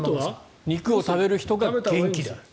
肉を食べる人が元気だと。